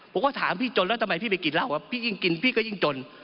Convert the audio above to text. ผมก็ถามพี่จนแล้วทำไมพี่ไปกินเหล้าพี่ยิ่งกินพี่ก็ยิ่งจน